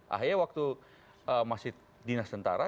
ahy waktu masih dinas tentara